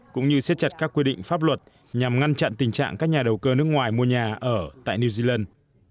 cũng như xét chặt các quy định pháp luật nhằm ngăn chặn tình trạng các nhà đầu cơ nước ngoài mua nhà ở tại new zealand